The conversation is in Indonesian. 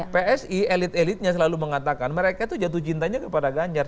psi elit elitnya selalu mengatakan mereka itu jatuh cintanya kepada ganjar